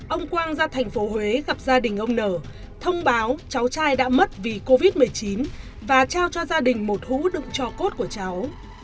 ông quang ra thành phố huế gặp gia đình ông nở thông báo cháu trai đã mất vì covid một mươi chín và trao cho gia đình một hũ đựng cho cốt của cháu